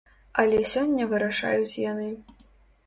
Але сёння вырашаюць яны.